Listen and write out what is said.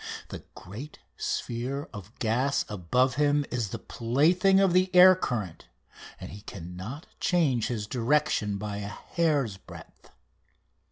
The great sphere of gas above him is the plaything of the air current, and he cannot change his direction by a hair's breadth.